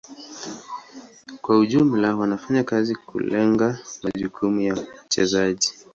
Kwa ujumla wanafanya kazi kulenga majukumu ya mchezaji.